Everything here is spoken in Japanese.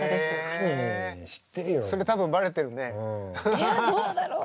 いやどうだろう